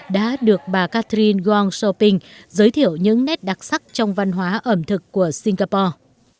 đã được bà catherine wong sopin giới thiệu những nét đặc sắc trong văn hóa ẩm thực của singapore